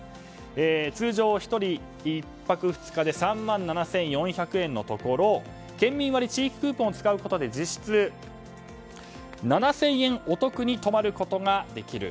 通常、１人１泊２日で３万７４００円のところ県民割と地域クーポンを使うことで実質７０００円お得に泊まることができる。